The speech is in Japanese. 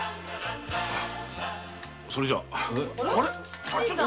それじゃ。